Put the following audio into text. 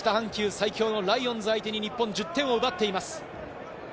最強のライオンズ相手に日本１０点を奪っています。